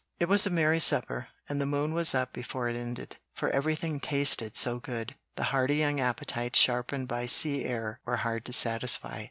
It was a merry supper, and the moon was up before it ended; for everything "tasted so good" the hearty young appetites sharpened by sea air were hard to satisfy.